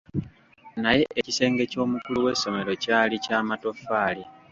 Naye ekisenge ky'omukulu w'essomero kyali kya matoffaali.